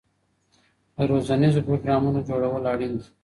د روزنیزو پروګرامونو جوړول اړین دي.